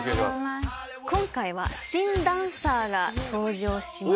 今回は新ダンサーが登場します。